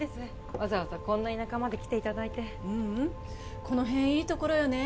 わざわざこんな田舎まで来ていただいてううんこの辺いいところよね